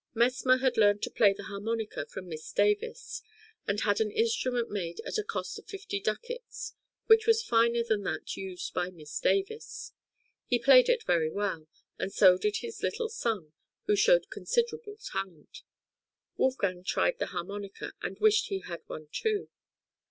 Messmer had learned to play the harmonica from Miss Davis, and had an instrument made at a cost of 50 ducats, which was finer than that used by Miss Davis. He played it very well, and so did his little son, who showed considerable talent; Wolfgang tried the harmonica, and "wished he had one too."